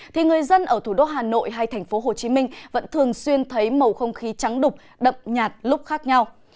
thì người dân ở thủ đô hà nội hay thành phố hồ chí minh vẫn thường xuyên thấy màu không khí trắng đục đậm nhạt lúc khác nhau